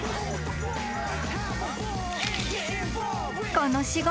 ［この仕事］